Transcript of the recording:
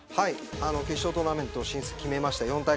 決勝トーナメント進出決めました。